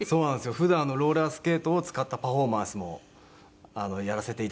普段ローラースケートを使ったパフォーマンスもやらせていただいていて。